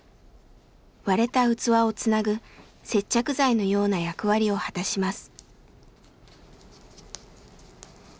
割れた器をつなぐ接着剤のような役割を果たします。